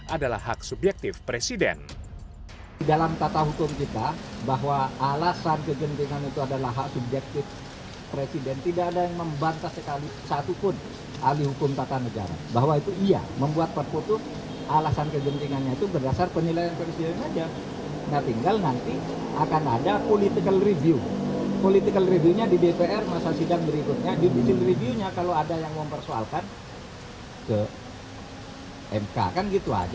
adalah hak subjektif presiden